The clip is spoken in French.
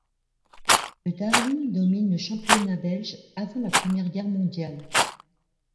Le Daring domine le championnat belge avant la Première Guerre mondiale.